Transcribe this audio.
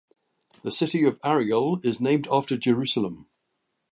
The city of Ariel is named after Jerusalem.